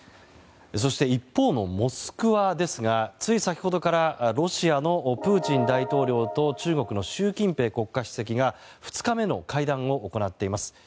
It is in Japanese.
一方のモスクワですがつい先ほどからロシアのプーチン大統領と中国の習近平国家主席が２日目の会談を行っています。